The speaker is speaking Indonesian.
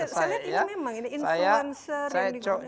saya lihat ini memang influencer yang digunakan